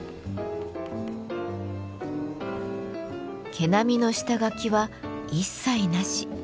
毛並みの下書きは一切なし。